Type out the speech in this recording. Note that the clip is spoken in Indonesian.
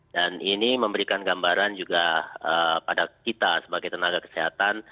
dan ini memberikan gambaran juga pada kita sebagai tenaga kesehatan